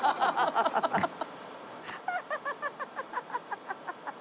ハハハハ！